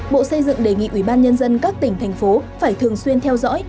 bộ xây dựng đề nghị ủy ban nhân dân các tỉnh thành phố phải thường xuyên theo dõi